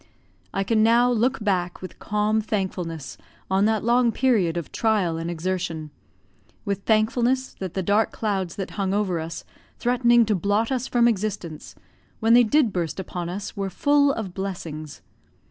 I can now look back with calm thankfulness on that long period of trial and exertion with thankfulness that the dark clouds that hung over us, threatening to blot us from existence, when they did burst upon us, were full of blessings.